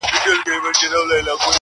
دغه ځای به مي تر مرګه یادومه،